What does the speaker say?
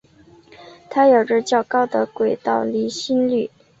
它有着较高的轨道离心率。